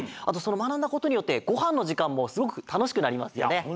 あとそのまなんだことによってごはんのじかんもすごくたのしくなりますよね。